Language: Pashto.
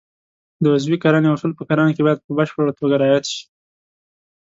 د عضوي کرنې اصول په کرنه کې باید په بشپړه توګه رعایت شي.